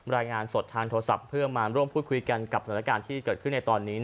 รายงานสดทางโทรศัพท์เพื่อมาร่วมพูดคุยกันกับสถานการณ์ที่เกิดขึ้นในตอนนี้